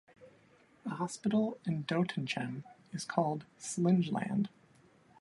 A hospital in Doetinchem is called Slinge-land.